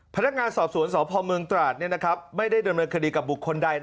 พนักงานสอบศูนย์สพมตราชไม่ได้เดินเมืองคดีกับบุคคลใด